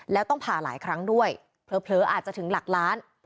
แล้วต้องผ่าหลายครั้งด้วยเผลออาจจะถึงหลักล้าน